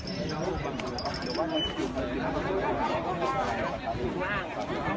มีผู้ที่ได้รับบาดเจ็บและถูกนำตัวส่งโรงพยาบาลเป็นผู้หญิงวัยกลางคน